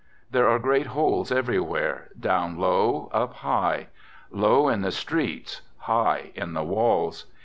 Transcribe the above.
... There are great holes everywhere, down low, up [ high ; low in the streets, high in the walls.